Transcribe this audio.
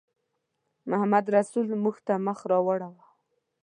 محمدرسول موږ ته مخ راواړاوه.